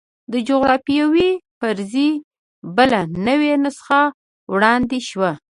د جغرافیوي فرضیې بله نوې نسخه وړاندې شوه.